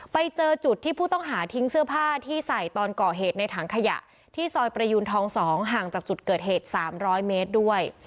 ไปเจอจุดที่ผู้ต้องหาทิ้งเสื้อผ้าที่ใส่ตอนก่อเหตุในถังขยะที่ซอยประยูนทอง๒ห่างจากจุดเกิดเหตุ๓๐๐เมตรด้วย